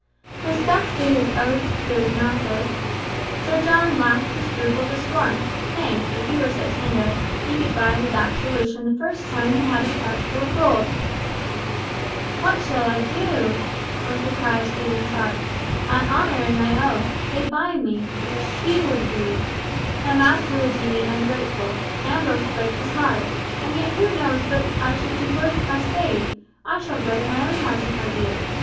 Respect to his oaths to his master—Sir John laughed the scruple to scorn; nay, if he were so tender, he could buy his absolution the first time he had his pouch full of gold. "What shall I do?" was the cry of Stephen's heart. "My honour and my oath. They bind me. She would weep. My master would deem me ungrateful, Ambrose break his heart. And yet who knows but I should do worse if I stayed, I shall break my own heart if I do.